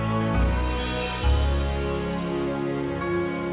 saya sudah berhenti